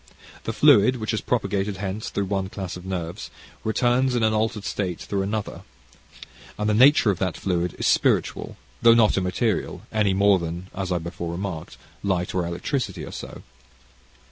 The fluid, which is propagated hence through one class of nerves, returns in an altered state through another, and the nature of that fluid is spiritual, though not immaterial, any more than, as I before remarked, light or electricity are so.